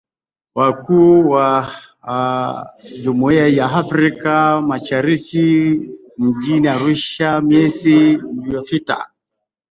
Wakuu wa Nchi wa Jumuiya ya Afrika Mashariki mjini Arusha mwezi uliopita